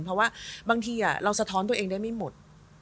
เพราะว่าบางทีเราสะท้อนตัวเองได้ไม่หมด